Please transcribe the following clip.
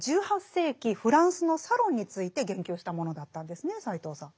フランスのサロンについて言及したものだったんですね斎藤さん。